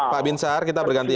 pak bin sar kita bergantian